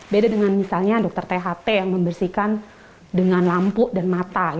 beda dengan misalnya dokter tht yang membersihkan dengan lampu dan mata